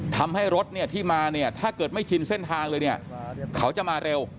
ทำให้รถเนี่ยที่มาเนี่ยถ้าเกิดไม่ชินเส้นทางเลยเนี่ยเขาจะมาเร็ว